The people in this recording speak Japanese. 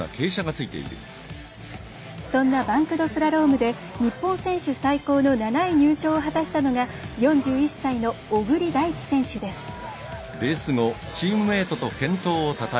そんなバンクドスラロームで日本選手最高の７位入賞を果たしたのが４１歳の小栗大地選手です。